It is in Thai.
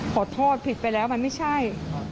ขอโทษผิดไปแล้วมันไม่ใช่